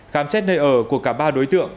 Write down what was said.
khám xét nơi ở của cả ba đối tượng